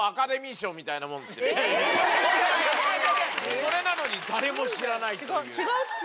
それなのに誰も知らないという。